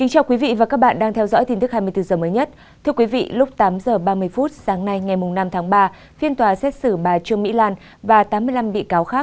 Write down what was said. hãy đăng ký kênh để ủng hộ kênh của chúng mình nhé